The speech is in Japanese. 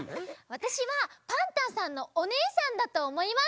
わたしはパンタンさんのおねえさんだとおもいます。